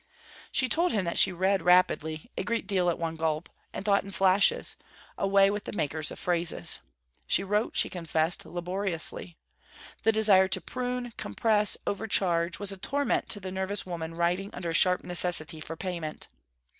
She told him that she read rapidly, 'a great deal at one gulp,' and thought in flashes a way with the makers of phrases. She wrote, she confessed, laboriously. The desire to prune, compress, overcharge, was a torment to the nervous woman writing under a sharp necessity for payment.